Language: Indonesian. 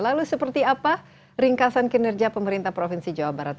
lalu seperti apa ringkasan kinerja pemerintah provinsi jawa barat